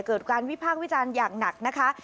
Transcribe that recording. เกิดการวิพากษ์วิจารณ์อย่างหนักนะคะ